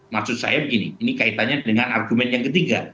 maksud saya begini ini kaitannya dengan argumen yang ketiga